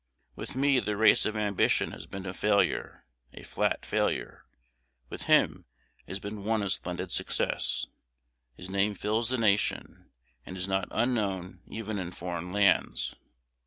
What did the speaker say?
With me the race of ambition has been a failure, a flat failure; with him it has been one of splendid success. His name fills the nation, and is not unknown even in foreign lands.